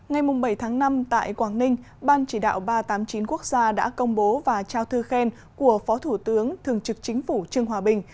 ngày bảy tháng năm tại quảng ninh ban chỉ đạo ba trăm tám mươi chín quốc gia đã công bố và trao thư khen của phó thủ tướng thường trực chính phủ trương hòa bình